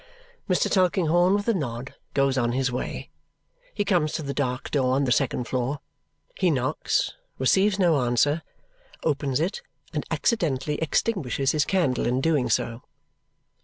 Mr. Tulkinghorn with a nod goes on his way. He comes to the dark door on the second floor. He knocks, receives no answer, opens it, and accidentally extinguishes his candle in doing so.